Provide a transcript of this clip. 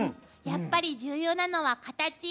やっぱり重要なのはカタチ。